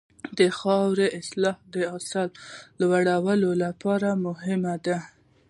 د خاورې اصلاح د حاصل د لوړوالي لپاره مهمه ده.